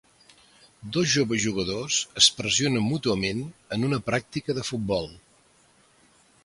Dos joves jugadors es pressionen mútuament en una pràctica de futbol.